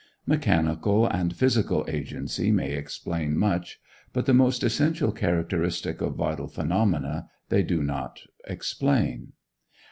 Mechanical and physical agency may explain much, but the most essential characteristic of vital phenomena they do not explain.